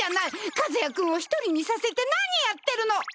和也君を一人にさせて何やってるの！